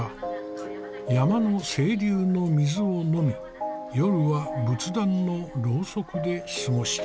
山の清流の水を飲み夜は仏壇のろうそくで過ごした。